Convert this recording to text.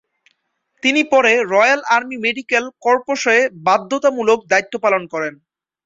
তিনি পরে Royal Army Medical কর্পসে বাধ্যতামূলক দায়িত্ব পালন করেন।